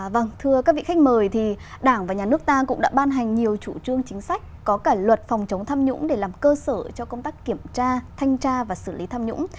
vâng thưa các vị khách mời thì đảng và nhà nước ta cũng đã ban hành nhiều chủ trương chính sách có cả luật phòng chống tham nhũng để làm cơ sở cho công tác kiểm tra thanh tra và xử lý tham nhũng